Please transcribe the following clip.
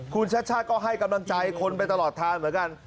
คุณชัชชาติก็ให้กำลังใจคนไปตลอดทางเหมือนกัน